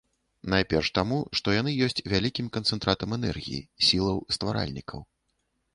Найперш таму, што яны ёсць вялікім канцэнтратам энергіі, сілаў стваральнікаў.